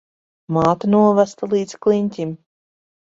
Māte novesta līdz kliņķim.